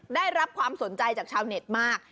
ได้รับความสนใจจากชาวเน็ตมาก